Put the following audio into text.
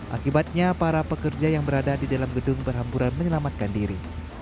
akibatnya para pekerja yang berada di dalam gedung berhamburan menyelamatkan diri